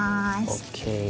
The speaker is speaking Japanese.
ＯＫ。